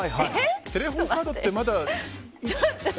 テレホンカードってまだ。